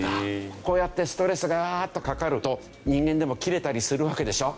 こうやってストレスがうわーっとかかると人間でもキレたりするわけでしょ。